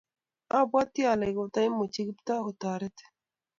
obwoti ale kotoimuchi Kiptoo kotoretu